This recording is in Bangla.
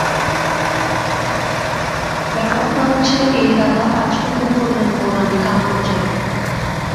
ব্যাপারটা হচ্ছে এই–দাদা আজ হুকুম করলেন বউরানীকে আনানো চাই।